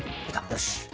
よし。